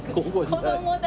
子供だ！